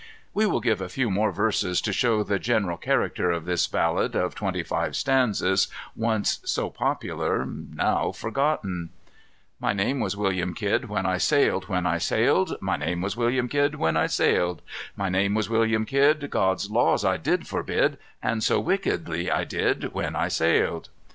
We will give a few more verses to show the general character of this ballad of twenty five stanzas, once so popular, now forgotten: "My name was William Kidd, when I sailed, when I sailed, My name was William Kidd when I sailed, My name was William Kidd, God's laws I did forbid, And so wickedly I did when I sailed.